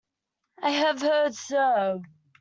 I have heard so.